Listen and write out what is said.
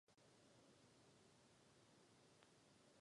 Naopak, jsme přesvědčeni, že přísnější předpisy je třeba zavést urychleně.